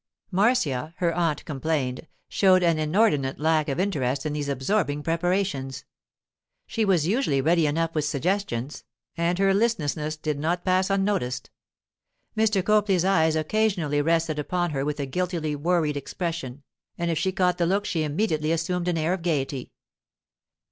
Marcia, her aunt complained, showed an inordinate lack of interest in these absorbing preparations. She was usually ready enough with suggestions, and her listlessness did not pass unnoticed. Mr. Copley's eyes occasionally rested upon her with a guiltily worried expression, and if she caught the look she immediately assumed an air of gaiety.